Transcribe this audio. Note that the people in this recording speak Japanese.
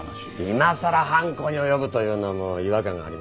今さら犯行に及ぶというのも違和感がありますな。